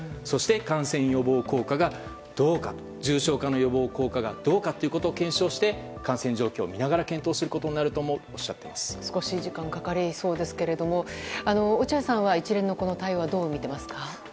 そして感染予防効果がどうか重症化の予防効果がどうかということを検証して感染状況を見ながら検討することになると思うと少し時間がかかりそうですが落合さんは一連の対応どう見ていますか？